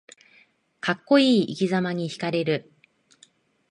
かっこいい生きざまにひかれる